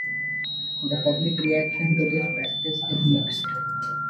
The public reaction to this practice is mixed.